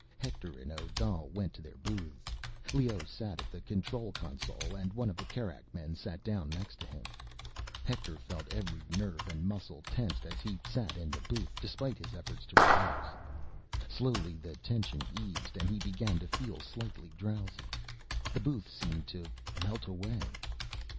Hector and Odal went to their booths. Leoh sat at the control console, and one of the Kerak men sat down next to him. Hector felt every nerve and muscle tensed as he sat in the booth, despite his efforts to relax. Slowly the tension eased, and he began to feel slightly drowsy. The booth seemed to melt away